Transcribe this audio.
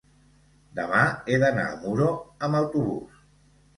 Demà he d'anar a Muro amb autobús.